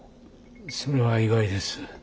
それは意外です。